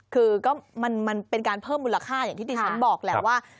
คือก็มันเป็นการเพิ่มมูลค่าอย่างที่ดิฉันบอกแหละว่า